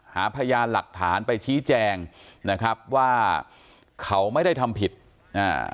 หาพยานหลักฐานไปชี้แจงนะครับว่าเขาไม่ได้ทำผิดอ่า